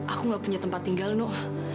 aku nggak punya tempat tinggal nuk